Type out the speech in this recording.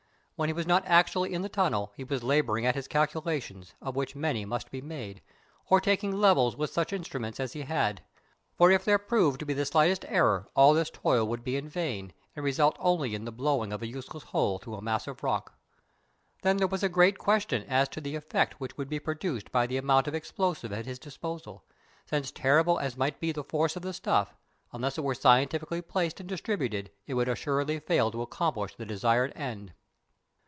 When he was not actually in the tunnel he was labouring at his calculations, of which many must be made, or taking levels with such instruments as he had. For if there proved to be the slightest error all this toil would be in vain, and result only in the blowing of a useless hole through a mass of rock. Then there was a great question as to the effect which would be produced by the amount of explosive at his disposal, since terrible as might be the force of the stuff, unless it were scientifically placed and distributed it would assuredly fail to accomplish the desired end.